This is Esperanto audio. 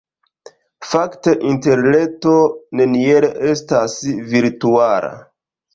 Fakte Interreto neniel estas virtuala.